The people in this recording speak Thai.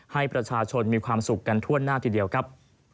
ให้ประชาชนมีความสุขกันทั่วหน้าทีเดียวครับ